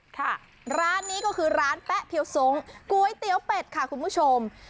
ค่ะร้านนี้ก็คือร้านแป๊ะเพียวทรงก๋วยเตี๋ยวเป็ดค่ะคุณผู้ชม